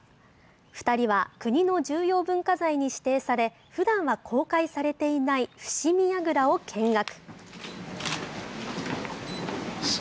２人は国の重要文化財に指定されふだんは公開されていない伏見やぐらを見学。